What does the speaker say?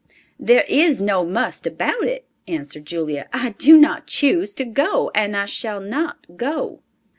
"There is no must about it," answered Julia; "I do not choose to go, and I shall not go!"